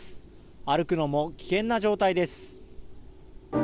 歩くのも危険な状態です。